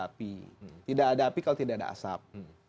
api tidak ada api kalau tidak ada asap